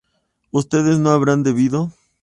ustedes no habrán bebido